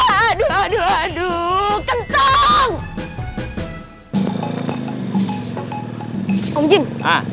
aduh aduh aduh aduh